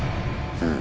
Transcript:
うん。